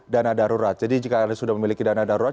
dana darurat jadi jika anda sudah memiliki dana darurat